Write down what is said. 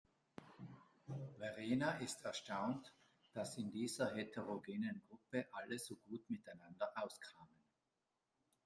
Verena ist erstaunt, dass in dieser heterogenen Gruppe alle so gut miteinander auskamen.